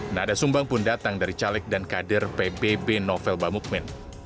nada sumbang pun datang dari caleg dan kader pbb novel bamukmin